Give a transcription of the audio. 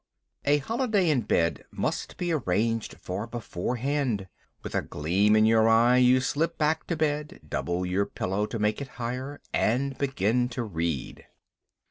A holiday in bed must be arranged for beforehand. With a gleam in your eye you slip back to bed, double your pillow to make it higher, and begin to read.